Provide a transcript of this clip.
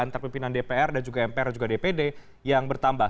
antara pimpinan dpr dan juga mpr juga dpd yang bertambah